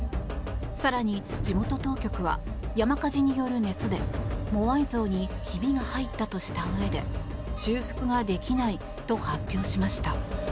更に、地元当局は山火事による熱でモアイ像にヒビが入ったとしたうえで修復ができないと発表しました。